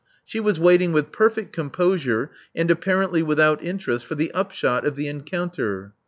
She was waiting with perfect composure and apparently without interest for the upshot of the encounter.